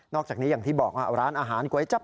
จากนี้อย่างที่บอกร้านอาหารก๋วยจับ